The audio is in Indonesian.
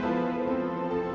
tidak ada yang lebih baik